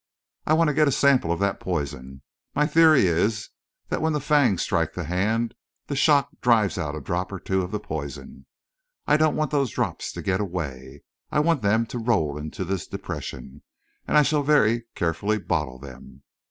"I want to get a sample of that poison. My theory is that when the fangs strike the hand, the shock drives out a drop or two of the poison. I don't want those drops to get away; I want them to roll into this depression, and I shall very carefully bottle them.